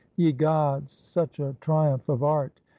Ye gods, such a triumph of art!